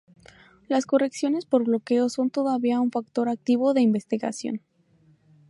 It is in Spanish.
Las correcciones por bloqueo son todavía un factor activo de investigación.